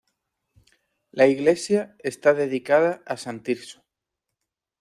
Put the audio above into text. La iglesia está dedicada a san Tirso.